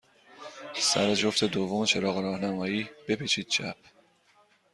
سر جفت دوم چراغ راهنمایی، بپیچید چپ.